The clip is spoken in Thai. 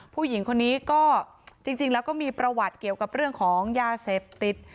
ผู้หญิงคนนี้ก็จริงแล้วก็มีประวัติเกี่ยวกับเรื่องของยาเสพติด